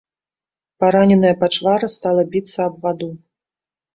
Параненая пачвара стала біцца аб ваду.